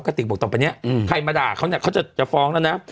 ติกบอกต่อไปเนี่ยใครมาด่าเขาเนี่ยเขาจะฟ้องแล้วนะ